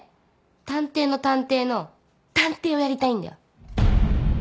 探偵の探偵の探偵をやりたいんだよ。